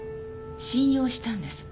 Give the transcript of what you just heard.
信用したんです。